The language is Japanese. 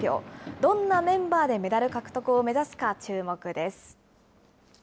どんなメンバーでメダル獲得を目指すか注目です。